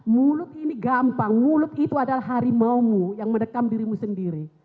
mulut ini gampang mulut itu adalah harimaumu yang mendekam dirimu sendiri